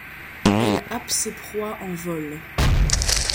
Elle happe ses proies en vole.